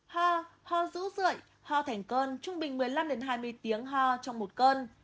ho ho dữ dưỡi ho thành cơn trung bình một mươi năm hai mươi tiếng ho trong một cơn